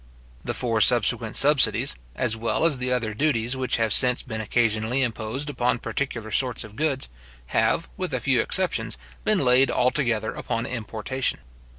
The four subsequent subsidies, as well as the other duties which have since been occasionally imposed upon particular sorts of goods, have, with a few exceptions, been laid altogether upon importation.